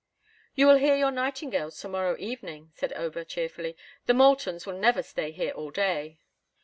"You will hear your nightingales to morrow evening," said Over, cheerfully. "The Moultons will never stay here all day."